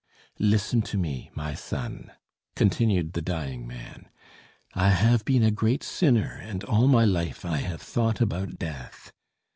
"Listen to me, my son," continued the dying man. "I have been a great sinner, and all my life I have thought about death.